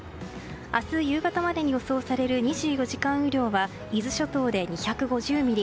明日夕方までに予想される２４時間雨量は伊豆諸島で２５０ミリ